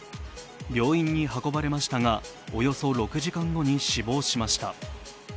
病院に運ばれましたがおよそ６時間後に死亡しました。